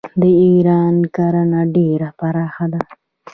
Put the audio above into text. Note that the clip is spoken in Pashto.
د ایران کرنه ډیره پراخه ده.